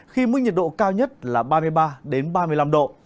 khi mức nhiệt độ cao nhất là ba mươi ba ba mươi năm độ